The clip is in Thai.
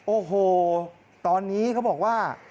โอ้โหตอนนี้เขาบอกว่า